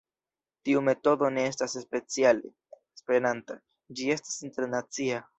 Tiu metodo ne estas speciale Esperanta, ĝi estas internacia.